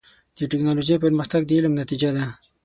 د ټکنالوجۍ پرمختګ د علم نتیجه ده.